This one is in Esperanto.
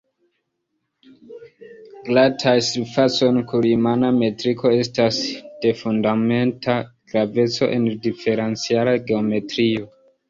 Glataj surfacoj kun rimana metriko estas de fundamenta graveco en diferenciala geometrio.